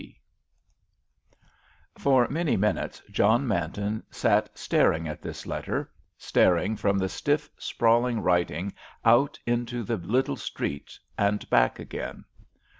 T." For many minutes John Manton sat staring at this letter, staring from the stiff, sprawling writing out into the little street and back again.